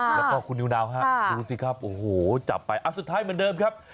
แล้วก็คุณนิวนาวฮะดูสิครับโอ้โหจับไปสุดท้ายเหมือนเดิมครับ